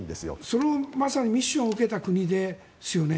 その、まさにミッションを受けた国ですよね。